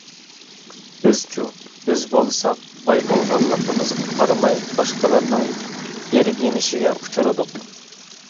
بىزچۇ؟ بىز بولساق باي بولغانلىقىمىزغا قارىماي، باشقىلارنىڭ يىرگىنىشىگە ئۇچرىدۇق.